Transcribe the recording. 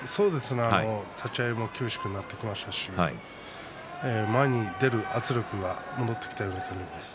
立ち合いも厳しくなってきましたし前に出る圧力戻ってきたような感じです。